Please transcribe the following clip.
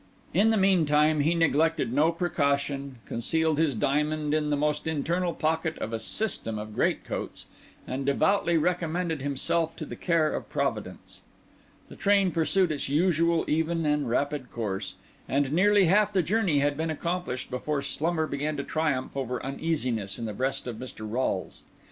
In the meantime he neglected no precaution, concealed his diamond in the most internal pocket of a system of great coats, and devoutly recommended himself to the care of Providence. The train pursued its usual even and rapid course; and nearly half the journey had been accomplished before slumber began to triumph over uneasiness in the breast of Mr. Rolles.